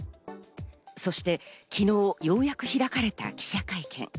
そして昨日、ようやく開かれた記者会見。